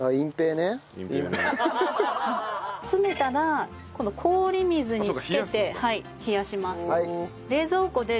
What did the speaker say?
詰めたら氷水につけて冷やします。